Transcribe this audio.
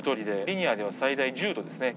リニアでは最大１０度ですね